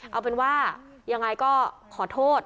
เอาเป็นว่ายังไงก็ขอโทษ